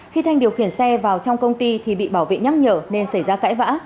khi thanh điều khiển xe vào trong công ty thì bị bảo vệ nhắc nhở nên xảy ra cãi vã